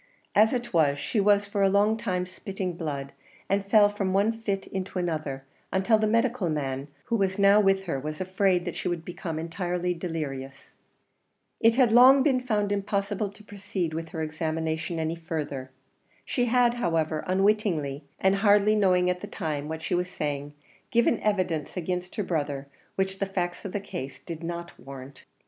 As it was, she was for a long time spitting blood, and fell from one fit into another, until the medical man who was now with her was afraid that she would become entirely delirious. It had long been found impossible to proceed with her examination any further. She had, however, unwittingly, and hardly knowing at the time what she was saying, given evidence against her brother which the facts of the case did not warrant.